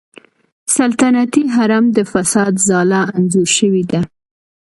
سلطنتي حرم د فساد ځاله انځور شوې ده.